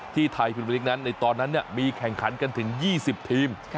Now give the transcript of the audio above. ที่ไทยพิมพลิกนั้นในตอนนั้นมีแข่งขันกันถึง๒๐ทีม